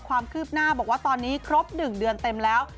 ความคืบหน้าบอกว่าตอนนี้ครบ๑เดือนเต็มแล้ว